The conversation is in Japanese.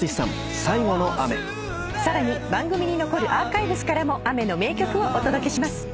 『最後の雨』さらに番組に残るアーカイブスからも雨の名曲をお届けします。